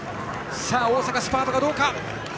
大阪、スパートがどうか。